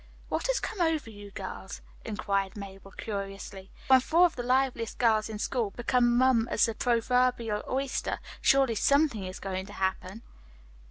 "What has come over you girls?" inquired Mabel curiously. "When four of the liveliest girls in school become mum as the proverbial oyster, surely something is going to happen."